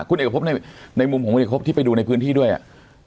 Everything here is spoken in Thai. คุณเอกพบในมุมของคุณเอกพบที่ไปดูในพื้นที่ด้วยอ่ะ